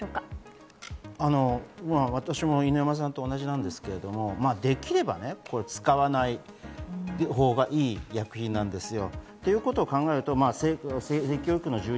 私も犬山さんと同じなんですけれども、できれば使わないほうがいい薬品なんですよ。